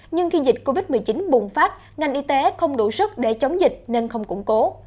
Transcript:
nhưng khi dịch covid một mươi chín bùng phát ngành y tế không đủ sức để chống dịch nên không củng cố